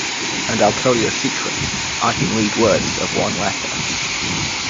And I’ll tell you a secret—I can read words of one letter!